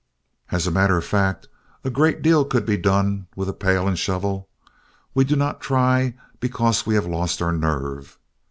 As a matter of fact, a great deal could be done with a pail and shovel. We do not try because we have lost our nerve.